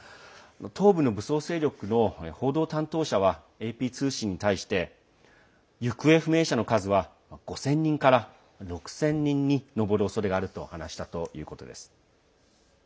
東部の武装勢力の報道担当者はＡＰ通信に対して行方不明者の数は５０００人から６０００人に上るおそれがあると話したということです。